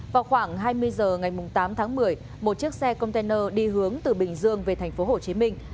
vào khoảng hai mươi giờ ngày tám tháng một mươi một chiếc xe container đi hướng từ bình dương về thành phố hồ chí minh